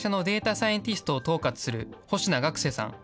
サイエンティストを統括する、保科学世さん。